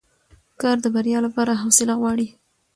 کار د بریا لپاره حوصله غواړي